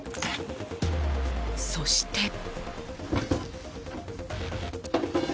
そして。